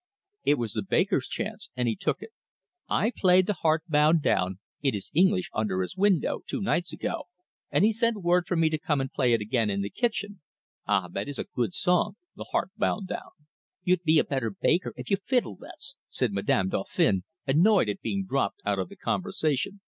It was the baker's chance, and he took it. "I played 'The Heart Bowed Down' it is English under his window, two nights ago, and he sent word for me to come and play it again in the kitchen. Ah, that is a good song, 'The Heart Bowed Down.'" "You'd be a better baker if you fiddled less," said Madame Dauphin, annoyed at being dropped out of the conversation.